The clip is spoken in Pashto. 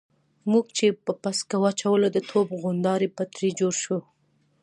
موږ چې به پسکه واچوله د توپ غونډاری به ترې جوړ شو.